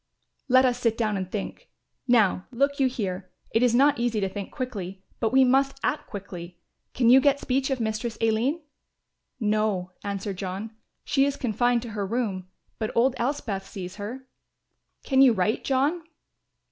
"Let us sit down and think Now look you here; it is not easy to think quickly, but we must act quickly. Can you get speech of Mistress Aline?" "No," answered John; "she is confined to her room, but old Elspeth sees her." "Can you write, John?"